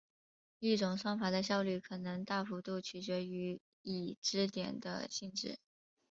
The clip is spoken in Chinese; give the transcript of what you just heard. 一种算法的效率可能大幅度取决于已知点的性质。